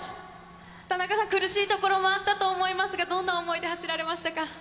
田中さん、苦しいところもあったと思いますが、どんな想いで走られましたか。